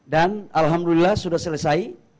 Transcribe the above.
dan alhamdulillah sudah selesai